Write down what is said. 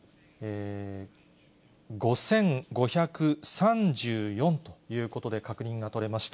５５３４ということで、確認が取れました。